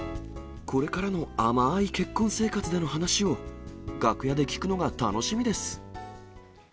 これからのあまーい結婚生活での話を、楽屋で聞くのが楽しみです。